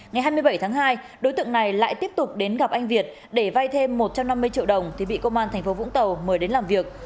ngày hai mươi bảy tháng hai đối tượng này lại tiếp tục đến gặp anh việt để vay thêm một trăm năm mươi triệu đồng thì bị công an tp vũng tàu mời đến làm việc